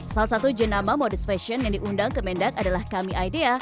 salah satu jenama modis fashion yang diundang ke mendak adalah kami idea